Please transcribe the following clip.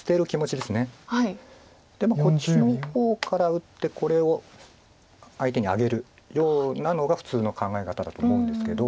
でこっちの方から打ってこれを相手にあげるようなのが普通の考え方だと思うんですけど。